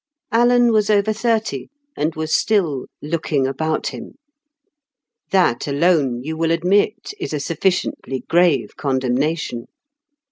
Alan was over thirty, and was still "looking about him." That alone, you will admit, is a sufficiently grave condemnation.